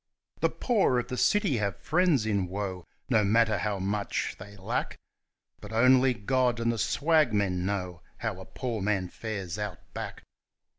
The poor of the city have friends in woe, no matter how much they lack, But only God and the swagmen know how a poor man fares Out Back.